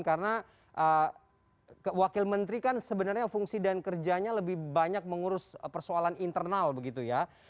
karena wakil menteri kan sebenarnya fungsi dan kerjanya lebih banyak mengurus persoalan internal begitu ya